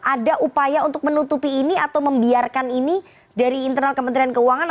ada upaya untuk menutupi ini atau membiarkan ini dari internal kementerian keuangan